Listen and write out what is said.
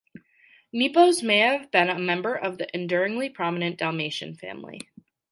Nepos may have been a member of an enduringly prominent Dalmatian family.